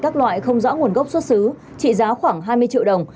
các loại không rõ nguồn gốc xuất xứ trị giá khoảng hai mươi triệu đồng